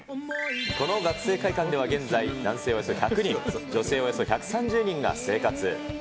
この学生会館では現在、男性およそ１００人、女性およそ１３０人が生活。